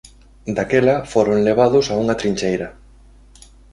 Daquela foron levados a unha trincheira.